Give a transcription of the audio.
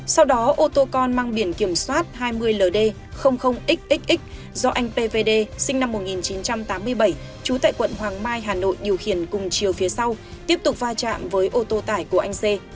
sau đó ô tô con mang biển kiểm soát hai mươi ld xxx do anh pvd sinh năm một nghìn chín trăm tám mươi bảy trú tại quận hoàng mai hà nội điều khiển cùng chiều phía sau tiếp tục va chạm với ô tô tải của anh xê